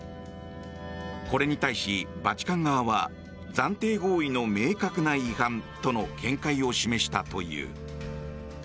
これに対し、バチカン側は暫定合意の明確な違反との見解を示したという。